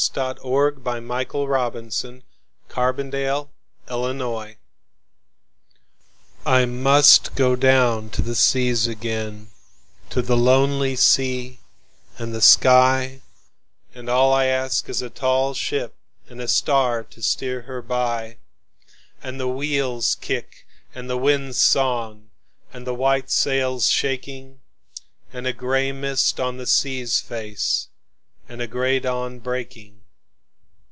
M N . O P . Q R . S T . U V . W X . Y Z Sea Fever I MUST down to the seas again, to the lonely sea and the sky, And all I ask is a tall ship and a star to steer her by, And the wheel's kick and the wind's song and the white sail's shaking, And a gray mist on the sea's face, and a gray dawn breaking.